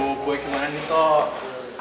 tuh boy kemana nih toh